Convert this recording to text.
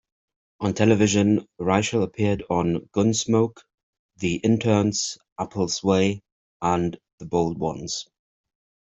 On television, Reischl appeared on "Gunsmoke", "The Interns", "Apple's Way" and "The Bold Ones".